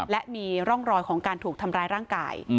และมีร่องรอยของการถูกทำร้ายร่างกาย